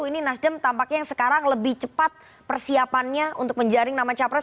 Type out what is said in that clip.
ini nasdem tampaknya yang sekarang lebih cepat persiapannya untuk menjaring nama capres